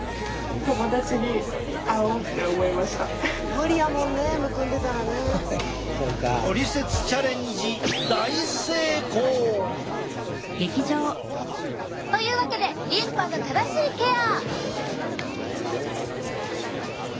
無理やもんねむくんでたらね！というわけで「リンパの正しいケア」！